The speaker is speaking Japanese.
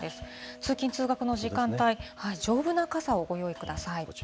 通勤・通学の時間帯、丈夫な傘をご用意ください。